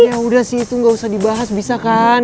ya udah sih itu nggak usah dibahas bisa kan